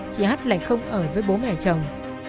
chị h lại không ở với bố mẹ chồng